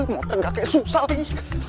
mau tegak kayak susah lagi